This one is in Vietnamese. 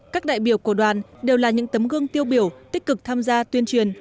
các đại biểu của đoàn đều là những tấm gương tiêu biểu tích cực tham gia tuyên truyền